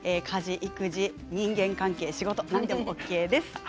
家事、育児人間関係、仕事、何でもＯＫです。